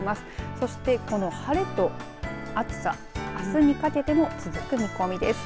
そして、この晴れと暑さあすにかけても続く見込みです。